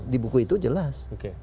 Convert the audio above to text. di buku itu jelas